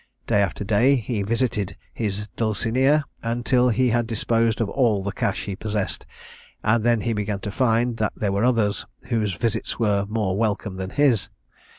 Day after day he visited his dulcinea, until he had disposed of all the cash he possessed, and then he began to find, that there were others, whose visits were more welcome than his.